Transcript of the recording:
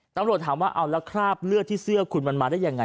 ตำรวจถามว่าเอาแล้วคราบเลือดที่เสื้อคุณมันมาได้ยังไง